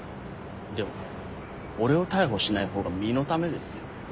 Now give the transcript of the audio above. でも俺を逮捕しない方が身のためですよ。